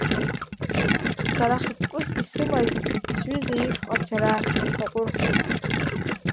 Сара хықәкыс исымаз сҩыза ишҟа ацара саҟәырхит.